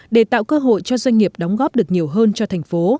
để tạo cơ hội cho doanh nghiệp đóng góp được nhiều hơn cho thành phố